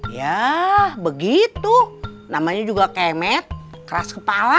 ya begitu namanya juga kemet keras kepala